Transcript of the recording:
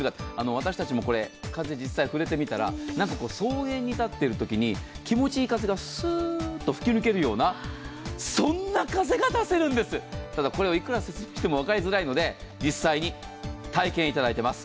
私たちもこれ、風、実際、触れてみたら草原に立ってるとき気持ちいい風がすーっと吹き抜けるような、そんな風が出せるんですただ、これをいくら説明しても分かりづらいので実際に体験いただいています。